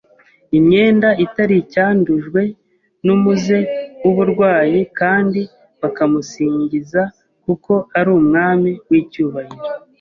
imyenda itari icyandujwe n'umuze w'uburwayi kandi bakamusingiza kuko ari Umwami w'icyubahiro